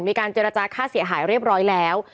มีการเจรจาค่าเสียหายเรียบร้อยแล้ว